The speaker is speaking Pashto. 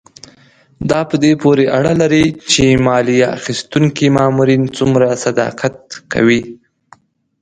دا په دې پورې اړه لري چې مالیه اخیستونکي مامورین څومره صداقت کوي.